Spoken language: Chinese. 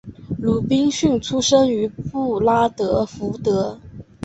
鲁宾逊出生于布拉德福德。